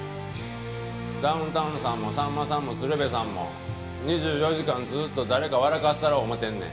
ダウンタウンさんもさんまさんも鶴瓶さんも２４時間ずーっと誰か笑かしたろ思てんねん。